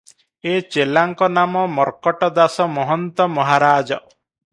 ଏ ଚେଲାଙ୍କ ନାମ ମର୍କଟ ଦାସ ମହନ୍ତ ମହାରାଜ ।